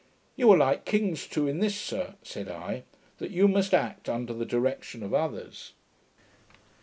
'You are like kings too in this, sir,' said I, 'that you must act under the direction of others.'